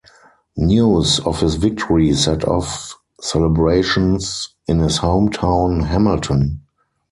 News of his victory set off celebrations in his home town Hamilton.